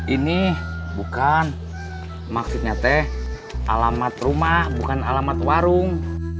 ini bukan maksudnya teh alamat rumah bukan alamat warung